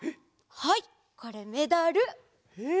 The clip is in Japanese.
はいこれメダル。え！